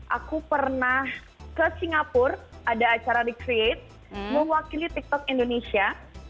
aku pernah ke singapura ada acara di create mewakili tiktok indonesia